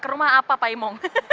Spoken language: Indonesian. ke rumah apa pak imung